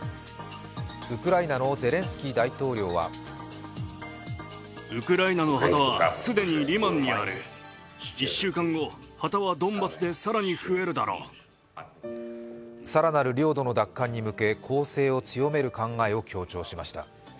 ウクライナのゼレンスキー大統領は更なる領土の奪還に向け攻勢を強める考えを強調しました。